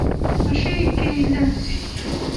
Maci akka ay llan zik.